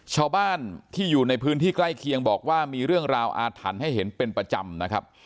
ชาวบ้านที่อยู่ในพื้นที่ใกล้เคียงบอกว่ามีเรื่องราวอาถรรพ์ให้เห็นเป็นประจำนะครับ